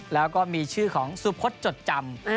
แล้วก็มีชื่อของสุพศจดจำ